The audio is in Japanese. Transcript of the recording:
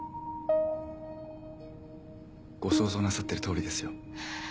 ご想像なさってる通りですよ。